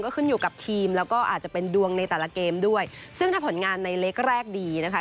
ก็ขึ้นอยู่กับทีมแล้วก็อาจจะเป็นดวงในแต่ละเกมด้วยซึ่งถ้าผลงานในเล็กแรกดีนะคะ